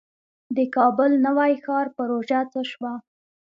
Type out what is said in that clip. د کابل نوی ښار پروژه څه شوه؟